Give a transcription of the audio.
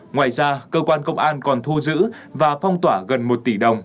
ngoài ra cơ quan công an còn thu giữ và phong tỏa gần một tỷ đồng